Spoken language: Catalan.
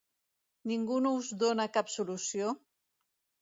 Ningú no us dóna cap solució?